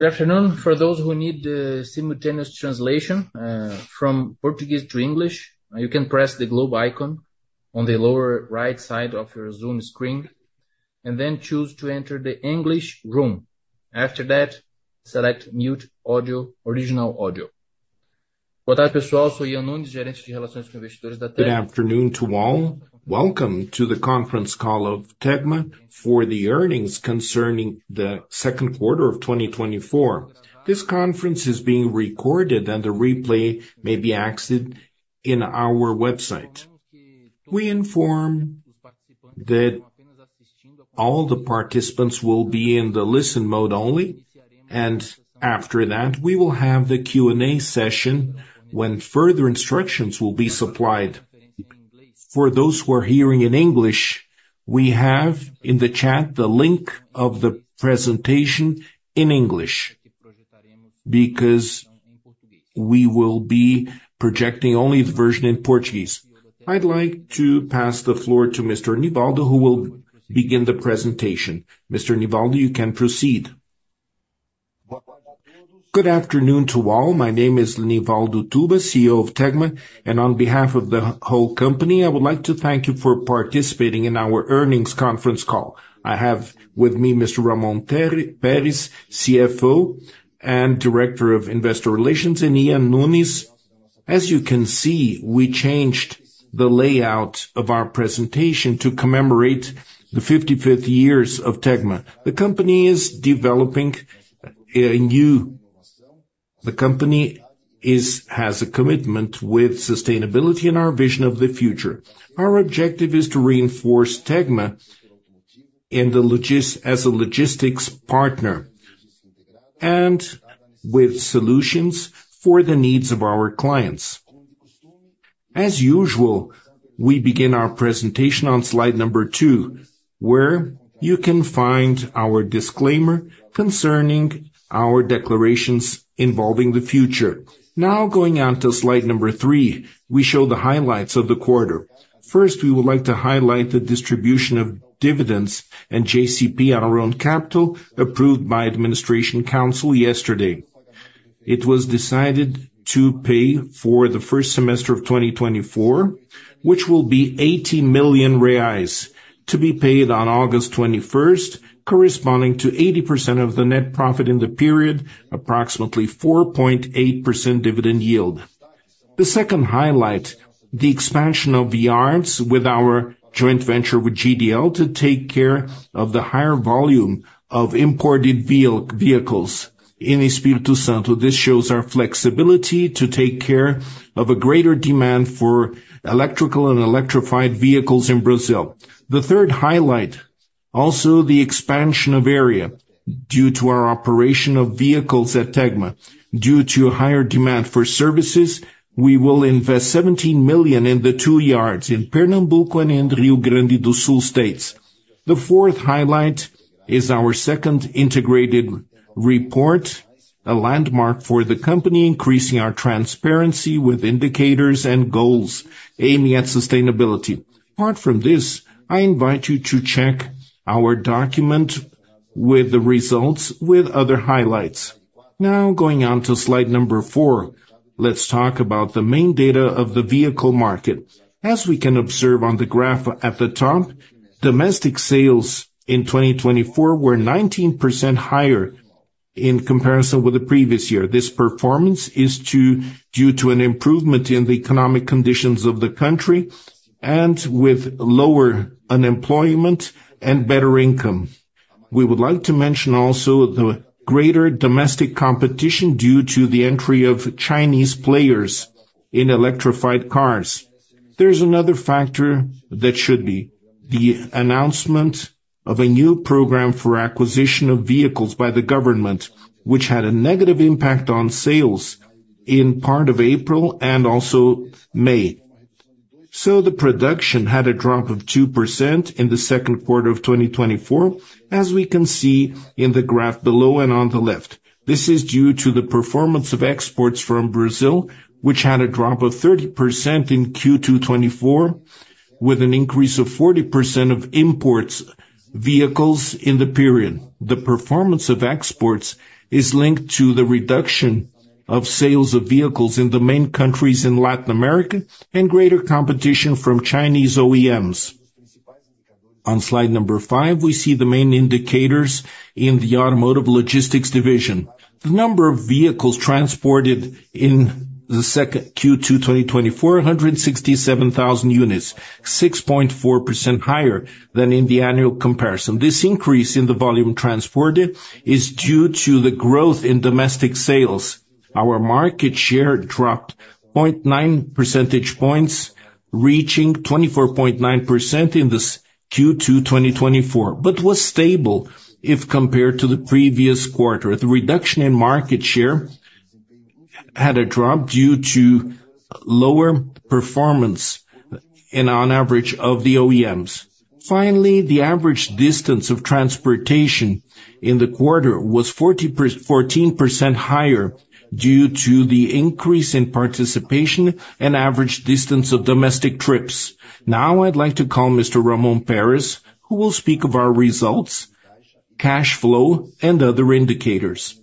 Good afternoon. For those who need the simultaneous translation from Portuguese to English, you can press the globe icon on the lower right side of your Zoom screen, and then choose to enter the English room. After that, select Mute Audio, Original Audio. Good afternoon to all. Welcome to the conference call of Tegma for the earnings concerning the second quarter of 2024. This conference is being recorded and the replay may be accessed in our website. We inform that all the participants will be in the listen mode only, and after that, we will have the Q&A session when further instructions will be supplied. For those who are hearing in English, we have in the chat, the link of the presentation in English, because we will be projecting only the version in Portuguese. I'd like to pass the floor to Mr. Nivaldo, who will begin the presentation. Mr. Nivaldo, you can proceed. Good afternoon to all. My name is Nivaldo Tuba, CEO of Tegma, and on behalf of the whole company, I would like to thank you for participating in our earnings conference call. I have with me Mr. Ramón Pérez, CFO and Director of Investor Relations, and Ian Nunes. As you can see, we changed the layout of our presentation to commemorate the 55th years of Tegma. The company is, has a commitment with sustainability and our vision of the future. Our objective is to reinforce Tegma in the logistics as a logistics partner, and with solutions for the needs of our clients. As usual, we begin our presentation on slide number two, where you can find our disclaimer concerning our declarations involving the future. Now, going on to slide number three, we show the highlights of the quarter. First, we would like to highlight the distribution of dividends and JCP on our own capital, approved by Administration Councilyesterday. It was decided to pay for the first semester of 2024, which will be 80 million reais, to be paid on August 21st, corresponding to 80% of the net profit in the period, approximately 4.8% dividend yield. The second highlight, the expansion of the yards with our joint venture with GDL to take care of the higher volume of imported vehicles in Espírito Santo. This shows our flexibility to take care of a greater demand for electrical and electrified vehicles in Brazil. The third highlight, also the expansion of area due to our operation of vehicles at Tegma. Due to higher demand for services, we will invest 17 million in the two yards in Pernambuco and in Rio Grande do Sul states. The fourth highlight is our second integrated report, a landmark for the company, increasing our transparency with indicators and goals aiming at sustainability. Apart from this, I invite you to check our document with the results, with other highlights. Now, going on to slide number four, let's talk about the main data of the vehicle market. As we can observe on the graph at the top, domestic sales in 2024 were 19% higher in comparison with the previous year. This performance is due to an improvement in the economic conditions of the country, and with lower unemployment and better income. We would like to mention also the greater domestic competition due to the entry of Chinese players in electrified cars. There's another factor that should be the announcement of a new program for acquisition of vehicles by the government, which had a negative impact on sales in part of April and also May. So the production had a drop of 2% in the second quarter of 2024, as we can see in the graph below and on the left. This is due to the performance of exports from Brazil, which had a drop of 30% in Q2 2024, with an increase of 40% of imported vehicles in the period. The performance of exports is linked to the reduction of sales of vehicles in the main countries in Latin America, and greater competition from Chinese OEMs. On slide number five, we see the main indicators in the automotive logistics division. The number of vehicles transported in Q2 2024, 267,000 units, 6.4% higher than in the annual comparison. This increase in the volume transported is due to the growth in domestic sales. Our market share dropped 0.9 percentage points, reaching 24.9% in this Q2 2024, but was stable if compared to the previous quarter. The reduction in market share had a drop due to lower performance in on average of the OEMs. Finally, the average distance of transportation in the quarter was 14% higher due to the increase in participation and average distance of domestic trips. Now, I'd like to call Mr. Ramón Pérez, who will speak of our results, cash flow, and other indicators.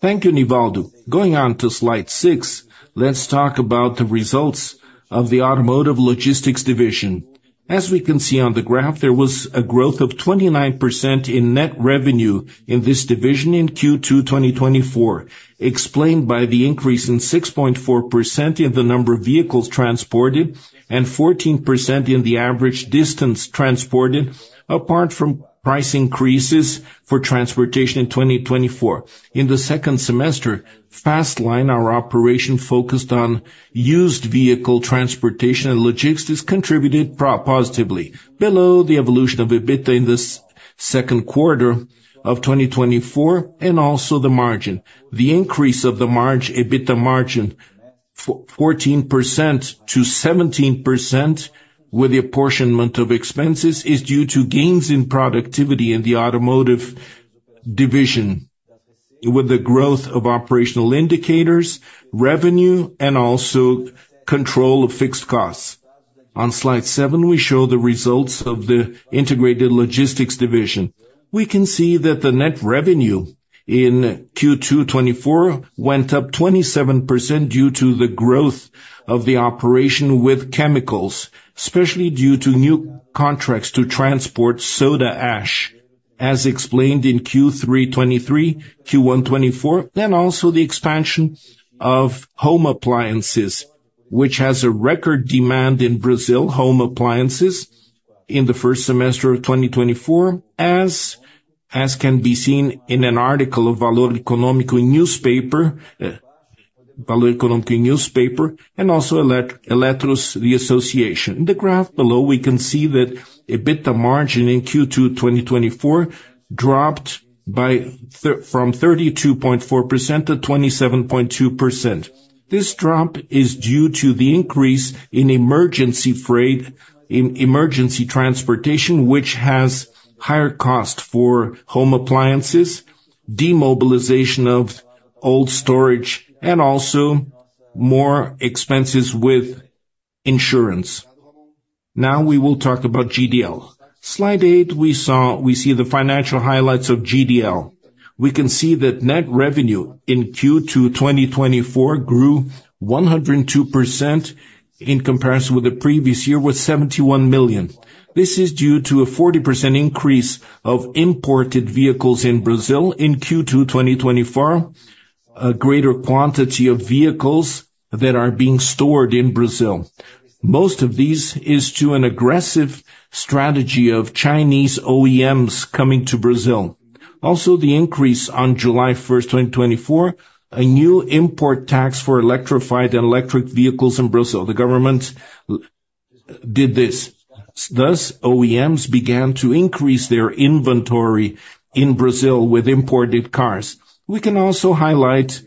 Thank you, Nivaldo. Going on to slide six, let's talk about the results of the automotive logistics division. As we can see on the graph, there was a growth of 29% in net revenue in this division in Q2 2024, explained by the increase in 6.4% in the number of vehicles transported and 14% in the average distance transported, apart from price increases for transportation in 2024. In the second semester, Fastlane, our operation focused on used vehicle transportation and logistics, contributed positively below the evolution of EBITDA in this second quarter of 2024, and also the margin. The increase of the EBITDA margin from 14% to 17% with the apportionment of expenses, is due to gains in productivity in the automotive division, with the growth of operational indicators, revenue, and also control of fixed costs. On slide seven, we show the results of the integrated logistics division. We can see that the net revenue in Q2 2024 went up 27% due to the growth of the operation with chemicals, especially due to new contracts to transport soda ash, as explained in Q3 2023, Q1 2024, then also the expansion of home appliances, which has a record demand in Brazil, home appliances, in the first semester of 2024, as can be seen in an article of Valor Econômico newspaper and also Eletros, the association. The graph below, we can see that EBITDA margin in Q2 2024 dropped from 32.4% to 27.2%. This drop is due to the increase in emergency freight, in emergency transportation, which has higher cost for home appliances, demobilization of old storage, and also more expenses with insurance. Now, we will talk about GDL. Slide eight, we see the financial highlights of GDL. We can see that net revenue in Q2 2024 grew 102% in comparison with the previous year, with 71 million. This is due to a 40% increase of imported vehicles in Brazil in Q2 2024, a greater quantity of vehicles that are being stored in Brazil. Most of these is to an aggressive strategy of Chinese OEMs coming to Brazil. Also, the increase on July 1, 2024, a new import tax for electrified and electric vehicles in Brazil. The government did this. Thus, OEMs began to increase their inventory in Brazil with imported cars. We can also highlight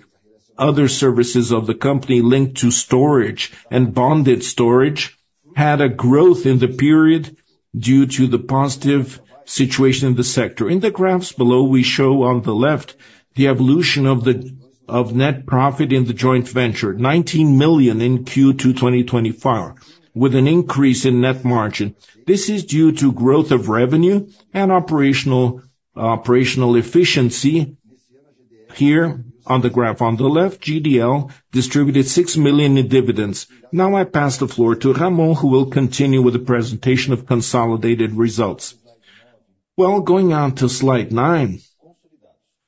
other services of the company linked to storage, and bonded storage had a growth in the period due to the positive situation in the sector. In the graphs below, we show on the left the evolution of net profit in the joint venture, 19 million in Q2 2024, with an increase in net margin. This is due to growth of revenue and operational efficiency. Here, on the graph on the left, GDL distributed 6 million in dividends. Now, I pass the floor to Ramón, who will continue with the presentation of consolidated results. Well, going on to slide nine,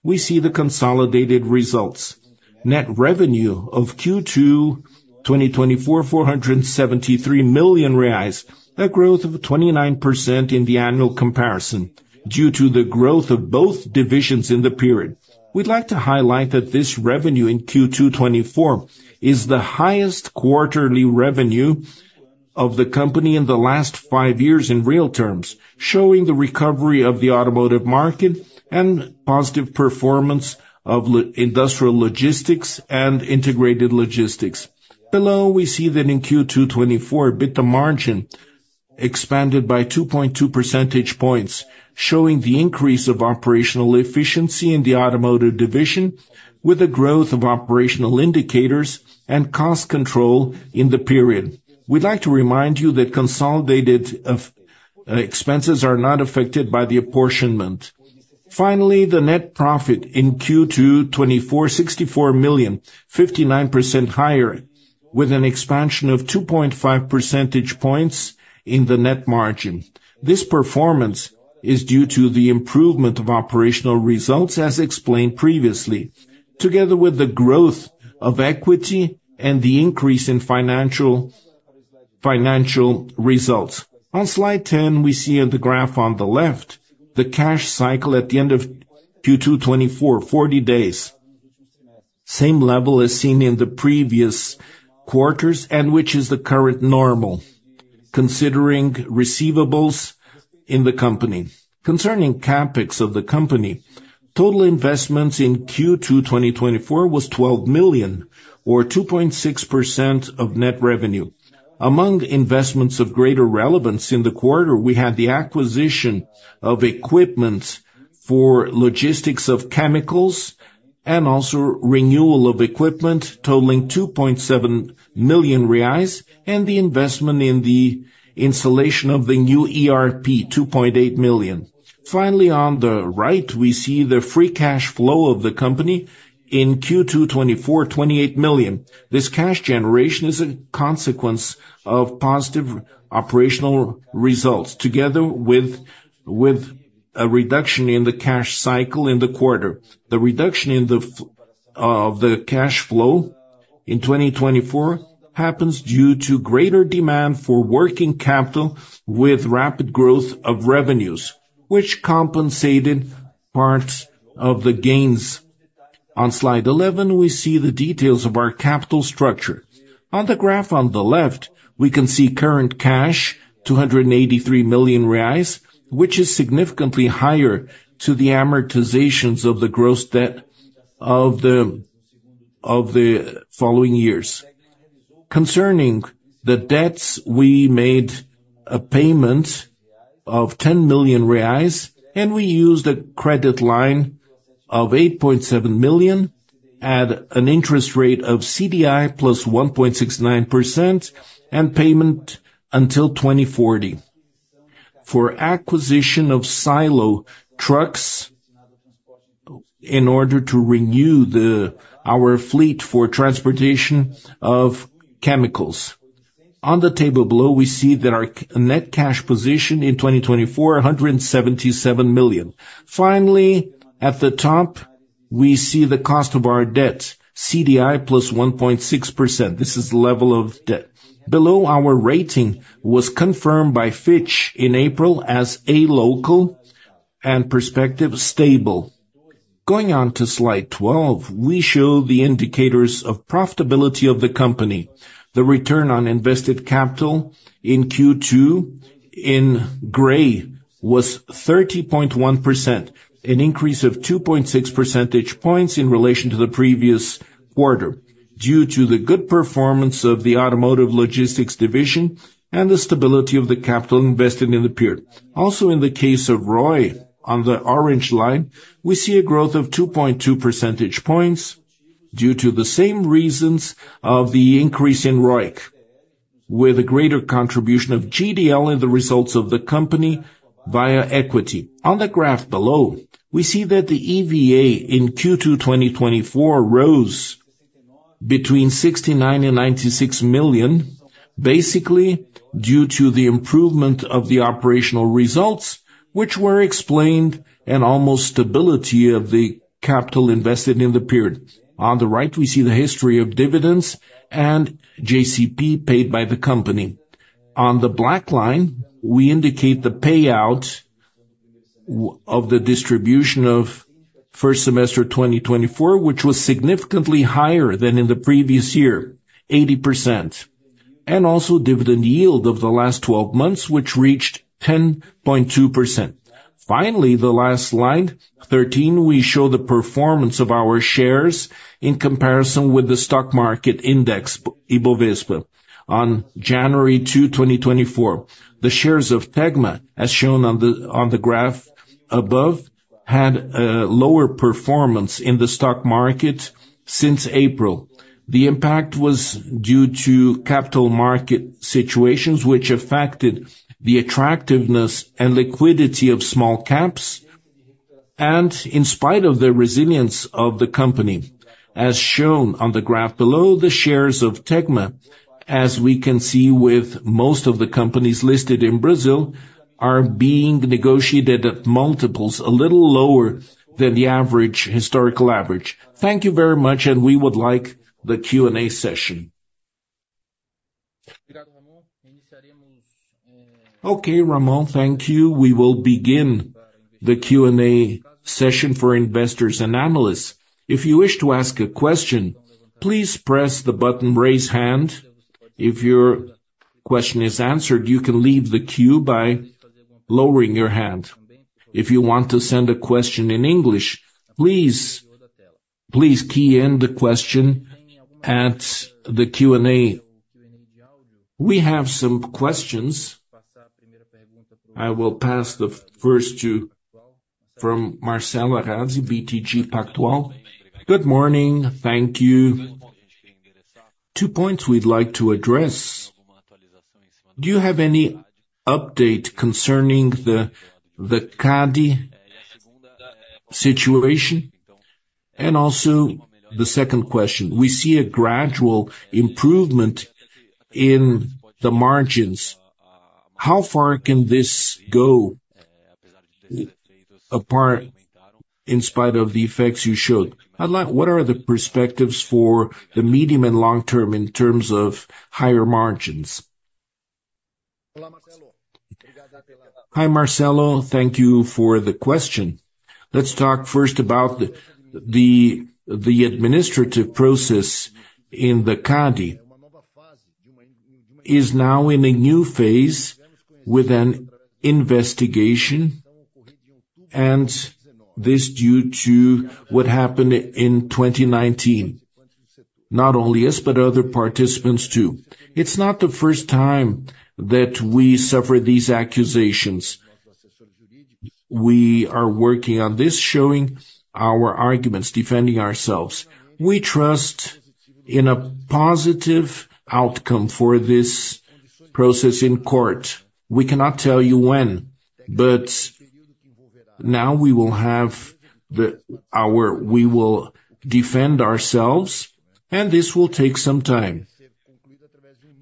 we see the consolidated results. Net revenue of Q2 2024, 473 million reais, a growth of 29% in the annual comparison, due to the growth of both divisions in the period. We'd like to highlight that this revenue in Q2 2024 is the highest quarterly revenue of the company in the last five years in real terms, showing the recovery of the automotive market and positive performance of industrial logistics and integrated logistics. Below, we see that in Q2 2024, EBITDA margin expanded by 2.2 percentage points, showing the increase of operational efficiency in the automotive division, with the growth of operational indicators and cost control in the period. We'd like to remind you that consolidated expenses are not affected by the apportionment. Finally, the net profit in Q2 2024, 64 million, 59% higher, with an expansion of 2.5 percentage points in the net margin. This performance is due to the improvement of operational results as explained previously, together with the growth of equity and the increase in financial, financial results. On slide 10, we see on the graph on the left, the cash cycle at the end of Q2 2024, 40 days. Same level as seen in the previous quarters, and which is the current normal, considering receivables in the company. Concerning CapEx of the company, total investments in Q2 2024 was 12 million or 2.6% of net revenue. Among investments of greater relevance in the quarter, we had the acquisition of equipment for logistics of chemicals and also renewal of equipment totaling 2.7 million reais, and the investment in the installation of the new ERP, 2.8 million. Finally, on the right, we see the free cash flow of the company in Q2 2024, 28 million. This cash generation is a consequence of positive operational results, together with a reduction in the cash cycle in the quarter. The reduction in the free cash flow in 2024 happens due to greater demand for working capital with rapid growth of revenues, which compensated parts of the gains. On slide 11, we see the details of our capital structure. On the graph on the left, we can see current cash, 283 million reais, which is significantly higher to the amortizations of the gross debt of the following years. Concerning the debts, we made a payment of 10 million reais, and we used a credit line of 8.7 million at an interest rate of CDI + 1.69%, and payment until 2040. For acquisition of silo trucks in order to renew our fleet for transportation of chemicals. On the table below, we see that our net cash position in 2024, 177 million. Finally, at the top, we see the cost of our debt, CDI + 1.6%. This is the level of debt. Below, our rating was confirmed by Fitch in April as a local and perspective stable. Going on to slide 12, we show the indicators of profitability of the company. The return on invested capital in Q2, in gray, was 30.1%, an increase of 2.6 percentage points in relation to the previous quarter, due to the good performance of the automotive logistics division and the stability of the capital invested in the period. Also, in the case of ROE, on the orange line, we see a growth of 2.2 percentage points due to the same reasons of the increase in ROIC, with a greater contribution of GDL in the results of the company via equity. On the graph below, we see that the EVA in Q2 2024 rose between 69 million and 96 million, basically due to the improvement of the operational results, which were explained and almost stability of the capital invested in the period. On the right, we see the history of dividends and JCP paid by the company. On the black line, we indicate the payout of the distribution of first semester 2024, which was significantly higher than in the previous year, 80%, and also dividend yield of the last 12 months, which reached 10.2%. Finally, the last slide, 13, we show the performance of our shares in comparison with the stock market index, Bovespa. On January 2, 2024, the shares of Tegma, as shown on the, on the graph above, had a lower performance in the stock market since April. The impact was due to capital market situations, which affected the attractiveness and liquidity of small caps. And in spite of the resilience of the company, as shown on the graph below, the shares of Tegma, as we can see with most of the companies listed in Brazil, are being negotiated at multiples, a little lower than the average, historical average. Thank you very much, and we would like the Q&A session. Okay, Ramón, thank you. We will begin the Q&A session for investors and analysts. If you wish to ask a question, please press the button, Raise Hand. If your question is answered, you can leave the queue by lowering your hand. If you want to send a question in English, please, please key in the question at the Q&A. We have some questions. I will pass the first to Marcelo Arazi from BTG Pactual. Good morning. Thank you. Two points we'd like to address: Do you have any update concerning the CADE situation? And also the second question: We see a gradual improvement in the margins. How far can this go, apart, in spite of the effects you showed? I'd like-- What are the perspectives for the medium and long term in terms of higher margins? Hi, Marcelo. Thank you for the question. Let's talk first about the administrative process in the CADE. is now in a new phase with an investigation, and this due to what happened in 2019.... Not only us, but other participants, too. It's not the first time that we suffer these accusations. We are working on this, showing our arguments, defending ourselves. We trust in a positive outcome for this process in court. We cannot tell you when, but now we will have the, our— we will defend ourselves, and this will take some time.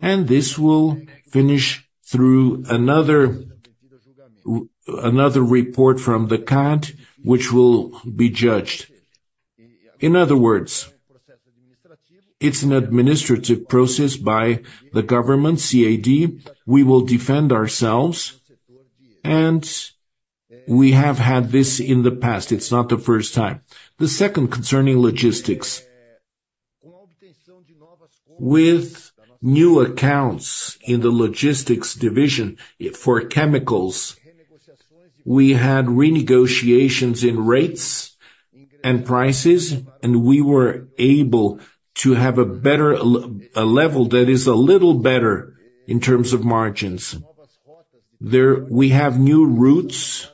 And this will finish through another, another report from the CADE, which will be judged. In other words, it's an administrative process by the government, CADE. We will defend ourselves, and we have had this in the past. It's not the first time. The second, concerning logistics. With new accounts in the logistics division for chemicals, we had renegotiations in rates and prices, and we were able to have a better level that is a little better in terms of margins. There, we have new routes,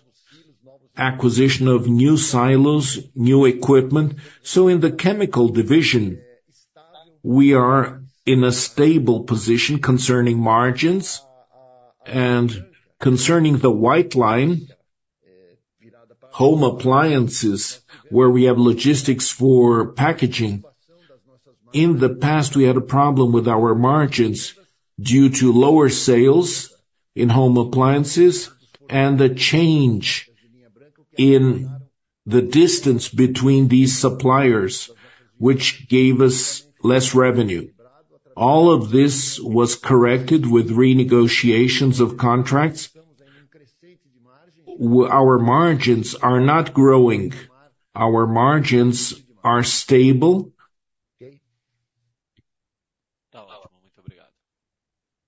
acquisition of new silos, new equipment. So in the chemical division, we are in a stable position concerning margins and concerning the white line, home appliances, where we have logistics for packaging. In the past, we had a problem with our margins due to lower sales in home appliances and the change in the distance between these suppliers, which gave us less revenue. All of this was corrected with renegotiations of contracts. Our margins are not growing. Our margins are stable.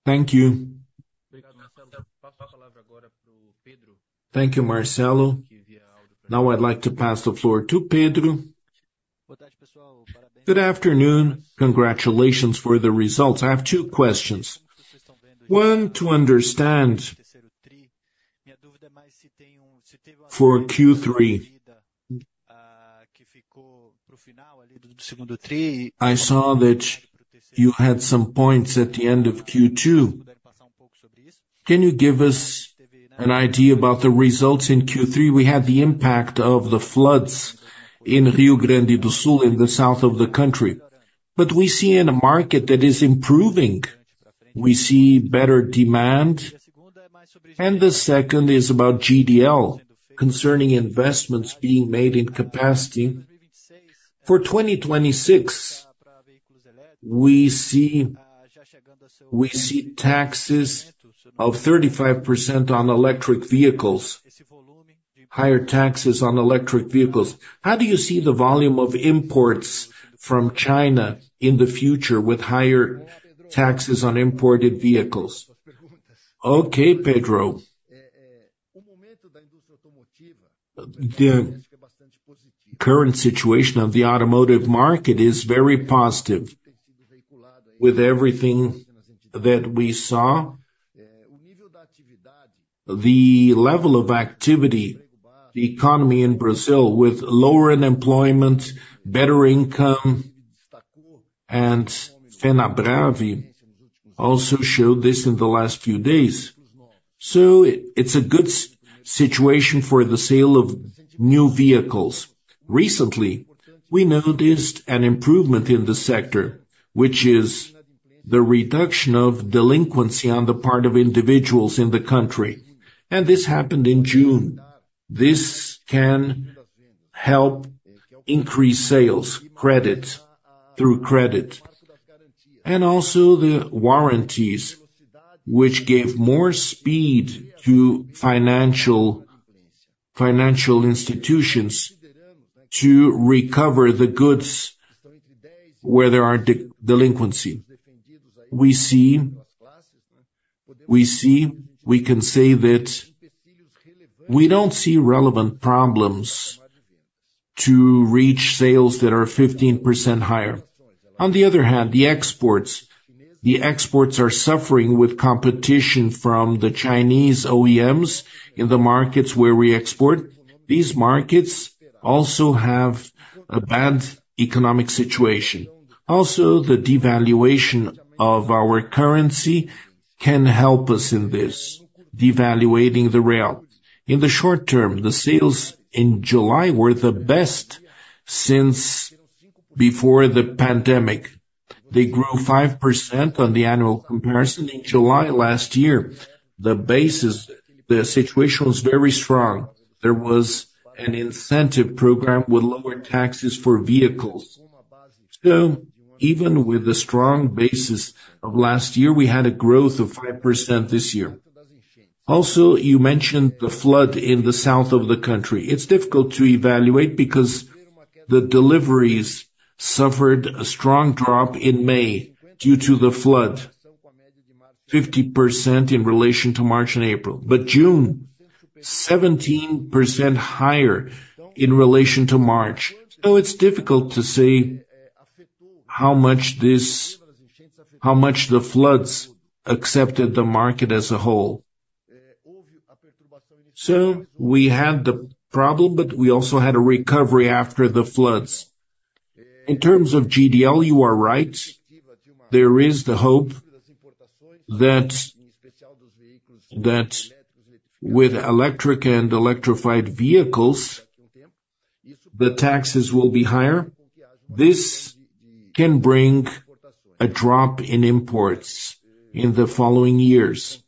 Thank you. Thank you, Marcelo. Now, I'd like to pass the floor to Pedro. Good afternoon. Congratulations for the results. I have two questions. One, to understand for Q3, I saw that you had some points at the end of Q2. Can you give us an idea about the results in Q3? We had the impact of the floods in Rio Grande do Sul, in the south of the country. But we see in a market that is improving, we see better demand. And the second is about GDL, concerning investments being made in capacity. For 2026, we see, we see taxes of 35% on electric vehicles, higher taxes on electric vehicles. How do you see the volume of imports from China in the future with higher taxes on imported vehicles? Okay, Pedro. The current situation of the automotive market is very positive. With everything that we saw, the level of activity, the economy in Brazil, with lower unemployment, better income, and Fenabrave also showed this in the last few days. So it's a good situation for the sale of new vehicles. Recently, we noticed an improvement in the sector, which is the reduction of delinquency on the part of individuals in the country. And this happened in June. This can help increase sales, credit, through credit, and also the warranties, which gave more speed to financial institutions to recover the goods where there are delinquency. We see we can say that we don't see relevant problems to reach sales that are 15% higher. On the other hand, the exports are suffering with competition from the Chinese OEMs in the markets where we export. These markets also have a bad economic situation. Also, the devaluation of our currency can help us in this, devaluing the real. In the short term, the sales in July were the best since before the pandemic. They grew 5% on the annual comparison in July last year. The basis, the situation was very strong. There was an incentive program with lower taxes for vehicles. So even with the strong basis of last year, we had a growth of 5% this year. Also, you mentioned the flood in the south of the country. It's difficult to evaluate because the deliveries suffered a strong drop in May due to the flood... 50% in relation to March and April, but June, 17% higher in relation to March. So it's difficult to say how much this, how much the floods affected the market as a whole. So we had the problem, but we also had a recovery after the floods. In terms of GDL, you are right, there is the hope that with electric and electrified vehicles, the taxes will be higher. This can bring a drop in imports in the following years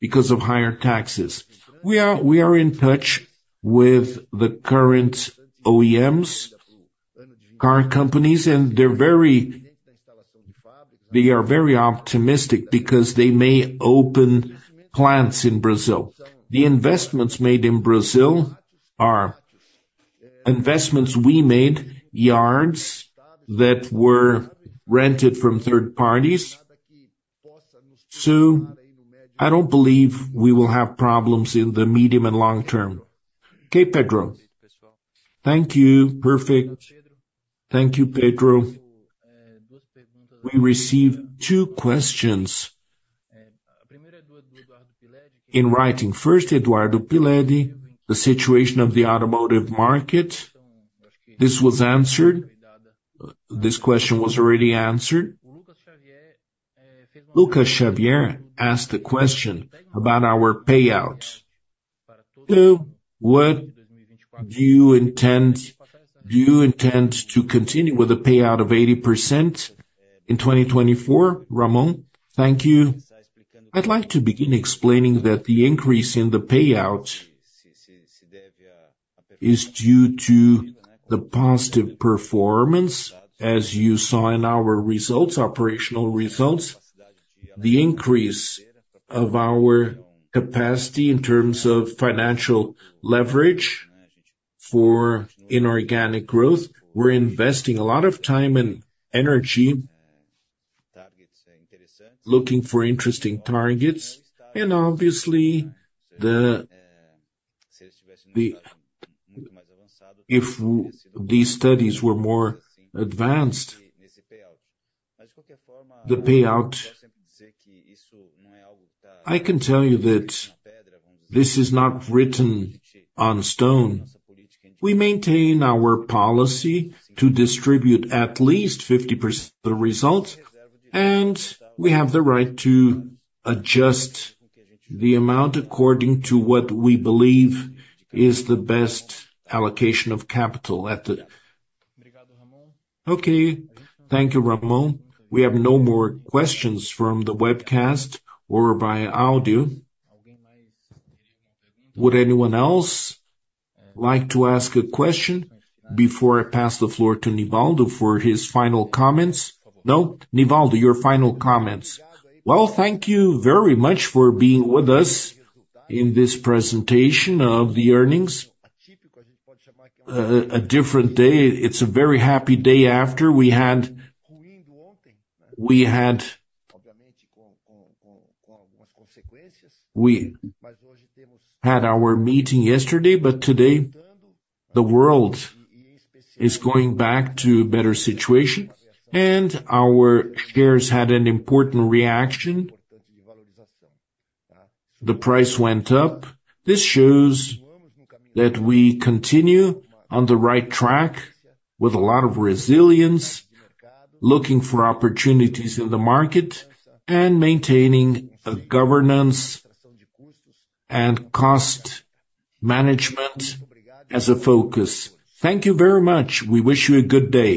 because of higher taxes. We are in touch with the current OEMs, car companies, and they're very optimistic because they may open plants in Brazil. The investments made in Brazil are investments we made, yards that were rented from third parties, so I don't believe we will have problems in the medium and long term. Okay, Pedro. Thank you. Perfect. Thank you, Pedro. We received two questions in writing. First, Eduardo Piledi, the situation of the automotive market. This was answered. This question was already answered. Lucas Xavier asked a question about our payout. So what do you intend to continue with a payout of 80% in 2024, Ramón? Thank you. I'd like to begin explaining that the increase in the payout is due to the positive performance, as you saw in our results, operational results, the increase of our capacity in terms of financial leverage for inorganic growth. We're investing a lot of time and energy looking for interesting targets, and obviously, if these studies were more advanced, the payout, I can tell you that this is not written in stone. We maintain our policy to distribute at least 50% of the results, and we have the right to adjust the amount according to what we believe is the best allocation of capital at the- Okay. Thank you, Ramón. We have no more questions from the webcast or via audio. Would anyone else like to ask a question before I pass the floor to Nivaldo for his final comments? No. Nivaldo, your final comments. Well, thank you very much for being with us in this presentation of the earnings. A different day. It's a very happy day after. We had our meeting yesterday, but today, the world is going back to a better situation, and our shares had an important reaction. The price went up. This shows that we continue on the right track with a lot of resilience, looking for opportunities in the market and maintaining a governance and cost management as a focus. Thank you very much. We wish you a good day.